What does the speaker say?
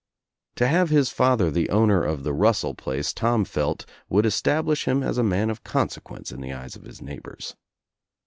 To have his father the owner of the Russell place Tom felt would establish him as a man of consequence in the eyes of his neighbors.